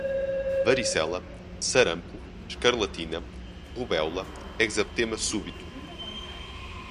Varicela, Sarampo, Escarlatina, Rubéola, Exabtema Súbito